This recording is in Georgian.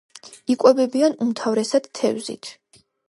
იკვებებიან უმთავრესად თევზით.